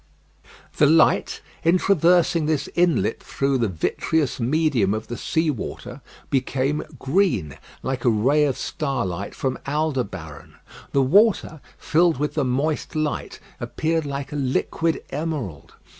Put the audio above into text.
The light, in traversing this inlet through the vitreous medium of the sea water, became green, like a ray of starlight from Aldebaran. The water, filled with the moist light, appeared like a liquid emerald.